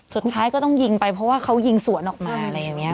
สุดท้ายก็ต้องยิงไปเพราะว่าเขายิงสวนออกมาอะไรอย่างนี้